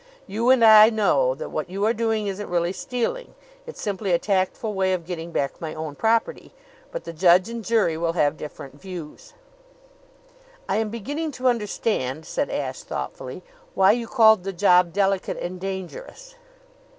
You and I know that what you are doing isn't really stealing; it's simply a tactful way of getting back my own property. But the judge and jury will have different views." "I am beginning to understand," said Ashe thoughtfully, "why you called the job delicate and dangerous."